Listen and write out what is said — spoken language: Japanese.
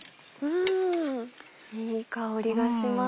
いい香りがします。